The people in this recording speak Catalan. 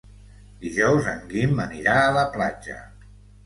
Dijous en Guim anirà a la platja.